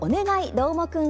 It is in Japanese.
どーもくん」